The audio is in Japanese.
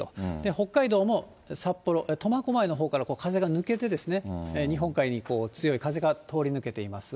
北海道も札幌、苫小牧のほうから風が抜けて、日本海に強い風が通り抜けています。